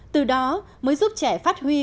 từ đó mới giúp trẻ phát huy